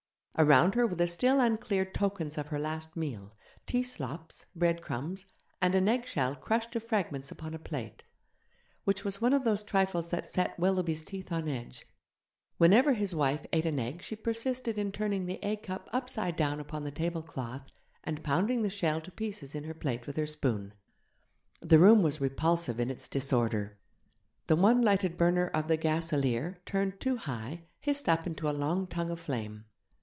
Around her were the still uncleared tokens of her last meal: tea slops, bread crumbs, and an egg shell crushed to fragments upon a plate, which was one of those trifles that set Willoughby's teeth on edge whenever his wife ate an egg she persisted in turning the egg cup upside down upon the tablecloth, and pounding the shell to pieces in her plate with her spoon. The room was repulsive in its disorder. The one lighted burner of the gaselier, turned too high, hissed up into a long tongue of flame.